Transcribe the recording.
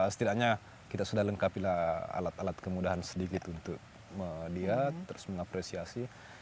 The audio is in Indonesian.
setidaknya kita sudah lengkapilah alat alat kemudahan sedikit untuk melihat terus mengapresiasi